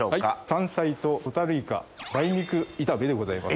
山菜とホタルイカ梅肉炒めでございます。